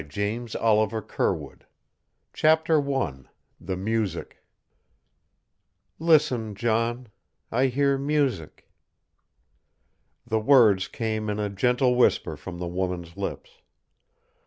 NEW YORK 1911 CHAPTER I THE MUSIC "Listen, John I hear music " The words came in a gentle whisper from the woman's lips.